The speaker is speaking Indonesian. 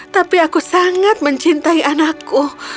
tapi aku sangat mencintai anakku